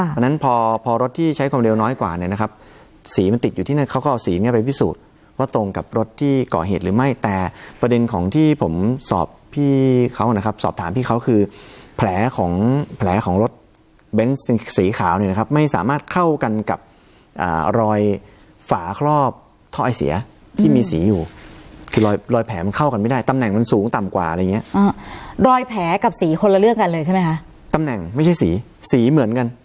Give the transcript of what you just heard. ค่ะอันนั้นพอพอรถที่ใช้ความเร็วน้อยกว่าเนี่ยนะครับสีมันติดอยู่ที่นั่นเขาก็เอาสีเนี้ยไปพิสูจน์ว่าตรงกับรถที่ก่อเหตุหรือไม่แต่ประเด็นของที่ผมสอบพี่เขานะครับสอบถามพี่เขาคือแผลของแผลของรถเบนซ์สีขาวเนี่ยนะครับไม่สามารถเข้ากันกับอ่ารอยฝาครอบท่อไอเสียที่มีสีอยู่คือรอยรอยแผลมันเข้